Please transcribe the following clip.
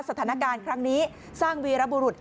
สถานการณ์ครั้งนี้สร้างวีรบุรุษ